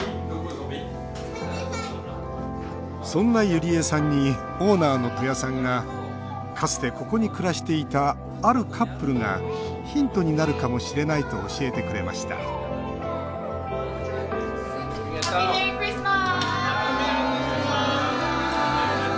そんな、ゆりえさんにオーナーの戸谷さんがかつて、ここに暮らしていたあるカップルがヒントになるかもしれないと教えてくれましたハッピーメリークリスマス！